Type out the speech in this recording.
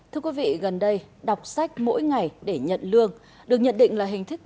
thưa quý vị gần đây đọc sách mỗi ngày để nhận lương được nhận định là hình thức